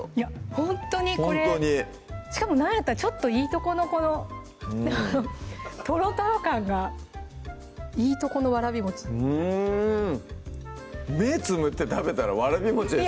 ほんとにこれしかもなんやったらちょっといいとこのこのとろとろ感がいいとこのわらび目つむって食べたらわらびです